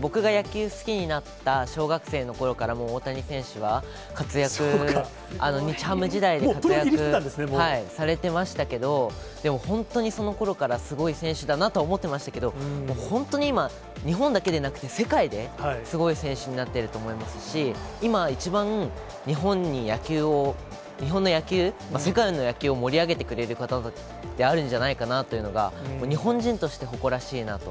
僕が野球好きになった小学生のころから、もう大谷選手は活躍、日ハム時代で、活躍されてましたけど、でも本当にそのころからすごい選手だなと思ってましたけど、本当に今、日本だけでなくて、世界ですごい選手になってると思いますし、今、一番日本に野球を、日本の野球、世界の野球を盛り上げてくれる方であるんじゃないかなというのが日本人として誇らしいなと。